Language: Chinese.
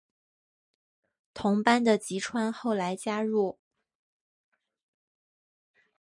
同班的吉川后来加入。